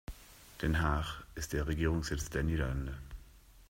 Den Haag ist der Regierungssitz der Niederlande.